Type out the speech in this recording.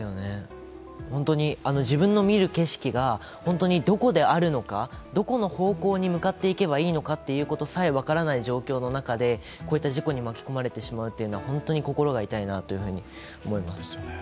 本当に、自分の見る景色がどこであるのか、どこの方向に向かっていけばいいのかさえ分からない状況の中でこういった事故に巻き込まれてしまうというのは本当に心が痛いと思います。